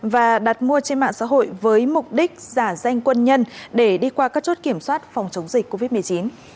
và đặt mua trên mạng xã hội với mục đích giả danh quân nhân để đi qua các chốt kiểm soát phòng chống dịch covid một mươi chín